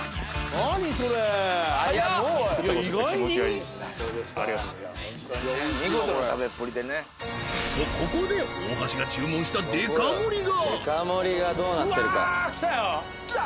ホントにね見事な食べっぷりでねとここで大橋が注文したデカ盛がうわきたよきた？